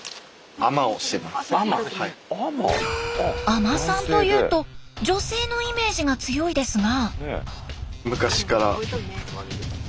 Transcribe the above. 海人さんというと女性のイメージが強いですが。